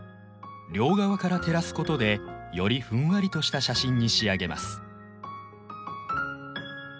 両側から照らすことでよりふんわりとした写真に仕上げます。